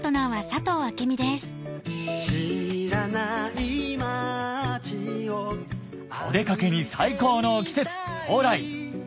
知らない街をお出かけに最高の季節到来！